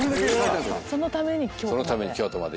そのために京都まで。